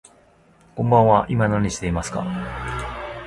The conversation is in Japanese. こんばんは、今何してますか。